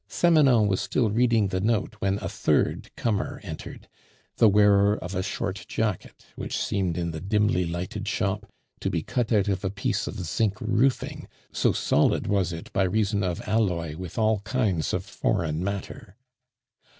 Samanon was still reading the note when a third comer entered, the wearer of a short jacket, which seemed in the dimly lighted shop to be cut out of a piece of zinc roofing, so solid was it by reason of alloy with all kinds of foreign matter.